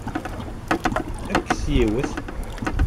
Kkes yiwet!